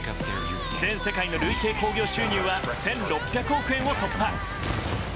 全世界の累計興行収入は１６００億円を突破。